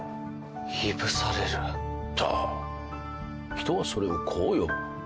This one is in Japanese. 人はそれをこう呼ぶ。